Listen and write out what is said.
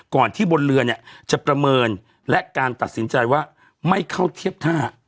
ที่บนเรือเนี่ยจะประเมินและการตัดสินใจว่าไม่เข้าเทียบท่า